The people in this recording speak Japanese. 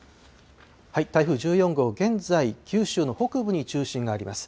台風１４号、現在、九州の北部に中心があります。